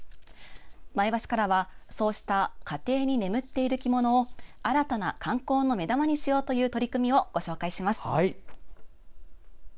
前橋からはそうした家庭に眠っている着物を新たな観光の目玉にしようという取り組みをご紹介します。